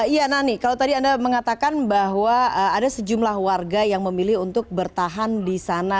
iya nani kalau tadi anda mengatakan bahwa ada sejumlah warga yang memilih untuk bertahan di sana